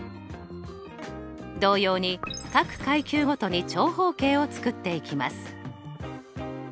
同様に各階級ごとに長方形を作っていきます。